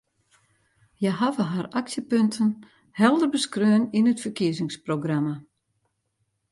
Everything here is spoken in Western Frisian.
Hja hawwe har aksjepunten helder beskreaun yn it ferkiezingsprogramma.